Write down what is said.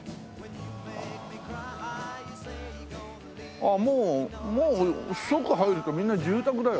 ああもうもう即入るとみんな住宅だよ。